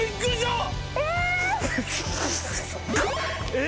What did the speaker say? え！